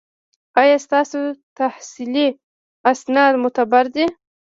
ایا ستاسو تحصیلي اسناد معتبر دي؟